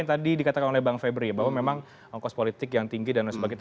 yang tadi dikatakan oleh bang febri bahwa memang ongkos politik yang tinggi dan lain sebagainya